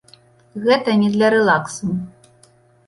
Гэта не для рэлаксу.